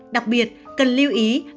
đặc biệt cần lưu ý cho các bạn